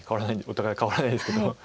お互い変わらないですけど。